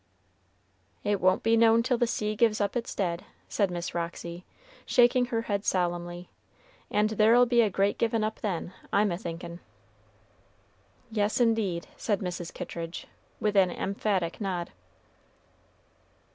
"It won't be known till the sea gives up its dead," said Miss Roxy, shaking her head solemnly, "and there'll be a great givin' up then, I'm a thinkin'." "Yes, indeed," said Mrs. Kittridge, with an emphatic nod.